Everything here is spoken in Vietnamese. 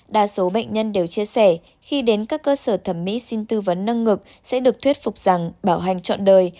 đa số bệnh nhân đều chia sẻ khi đến các cơ sở thẩm mỹ xin tư vấn nâng ngực sẽ được thuyết phục rằng bảo hành chọn đời